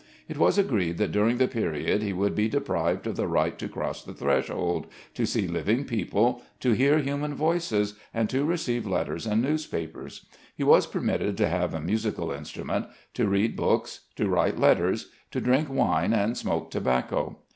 It was agreed that during the period he would be deprived of the right to cross the threshold, to see living people, to hear human voices, and to receive letters and newspapers. He was permitted to have a musical instrument, to read books, to write letters, to drink wine and smoke tobacco.